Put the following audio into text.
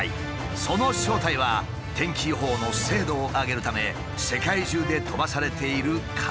その正体は天気予報の精度を上げるため世界中で飛ばされている観測器。